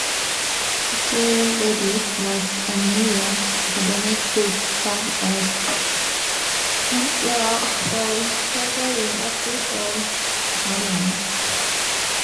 Chaturvedi was an Indian academic who served as Chancellor of Central University of Haryana.